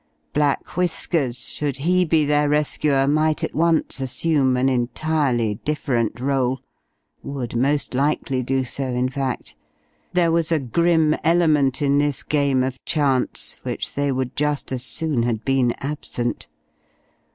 Black Whiskers, should he be their rescuer might at once assume an entirely different rôle would most likely do so, in fact. There was a grim element in this game of chance which they would just as soon had been absent.